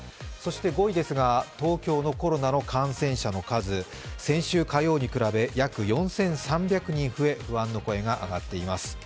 そして５位、東京のコロナの感染者の数、先週火曜に比べ約４３００人増え不安の声が上がっています。